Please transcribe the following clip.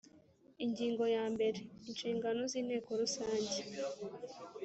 Ingingo ya mbere Inshingano z Inteko Rusange